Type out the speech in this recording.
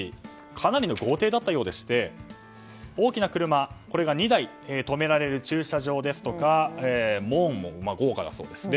かなりの豪邸だったようでして大きな車が２台止められる駐車場ですとか門も豪華だそうです。